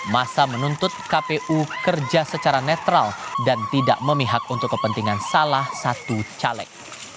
masa menuntut kpu kerja secara netral dan tidak memihak untuk kepentingan salah satu caleg